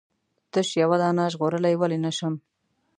تش یوه دانه ژغورلای ولې نه شم؟